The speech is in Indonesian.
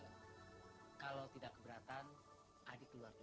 hai hai hai hai kalau tidak keberatan adik keluar dulu